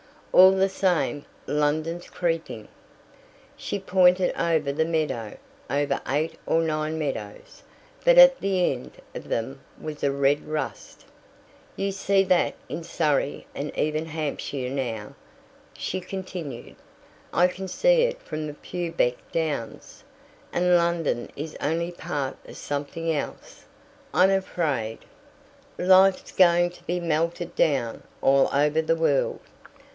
"All the same, London's creeping." She pointed over the meadow over eight or nine meadows, but at the end of them was a red rust. "You see that in Surrey and even Hampshire now," she continued. "I can see it from the Purbeck Downs. And London is only part of something else, I'm afraid. Life's going to be melted down, all over the world."